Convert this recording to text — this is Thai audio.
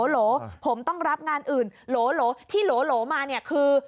โหลผมต้องรับงานอื่นโหลที่โหลมาเนี่ยคือ